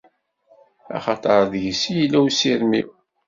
Axaṭer deg-s i yella usirem-iw!